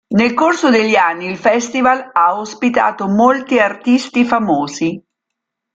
Nel corso degli anni il festival ha ospitato molti artisti famosi.